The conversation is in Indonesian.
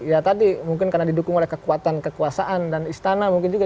ya tadi mungkin karena didukung oleh kekuatan kekuasaan dan istana mungkin juga